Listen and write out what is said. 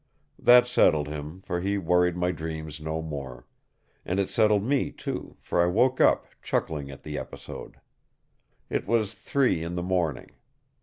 That settled him, for he worried my dreams no more; and it settled me, too, for I woke up chuckling at the episode. It was three in the morning.